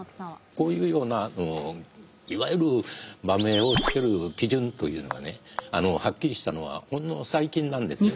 こういうようないわゆる馬名を付ける基準というのはねはっきりしたのはほんの最近なんですよね。